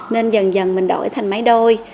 nên dần dần mình đổi thành máy đôi